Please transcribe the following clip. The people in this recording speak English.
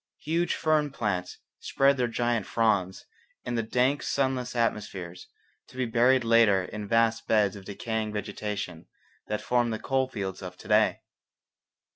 Huge fern plants spread their giant fronds in the dank sunless atmospheres, to be buried later in vast beds of decaying vegetation that form the coal fields of to day.